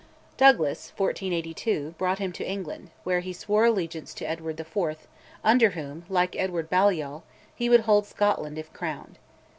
Douglas (1482) brought him to England, where he swore allegiance to Edward IV., under whom, like Edward Balliol, he would hold Scotland if crowned.